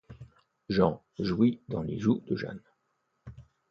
Jean jouit dans les joues de Jeanne.